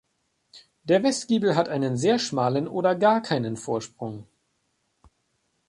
Der Westgiebel hat einen sehr schmalen oder gar keinen Vorsprung.